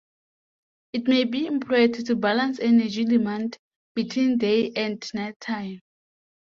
It may be employed to balance energy demand between day and nighttime.